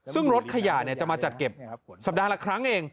ซึ่งรถขยะจะมาจัดเก็บสัปดาห์ละครั้งเอง